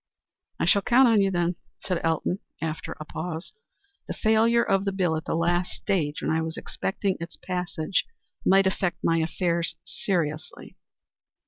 "I shall count on you, then," said Elton, after a pause. "The failure of the bill at the last stage when I was expecting its passage might affect my affairs seriously."